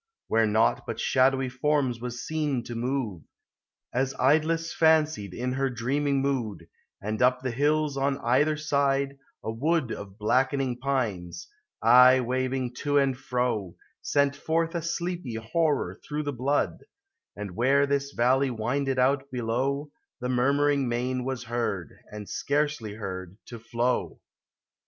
Where naught but shadowy forms was seen to move, As Idless fancied in her dreaming mood : And up the hills, on either side, a wood Of blackening pines, aye waving to and fro, Sent forth a sleepy horror through the blood ; And where this valley winded out, below, The murmuring main was heard, and scarcely heard, to flow.